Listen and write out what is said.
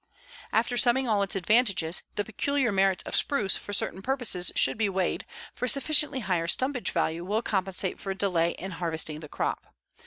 After summing all its advantages, the peculiar merits of spruce for certain purposes should be weighed, for sufficiently higher stumpage value will compensate for delay in harvesting the crop.